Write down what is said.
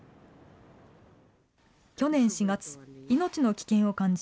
去年４月、命の危険を感じ、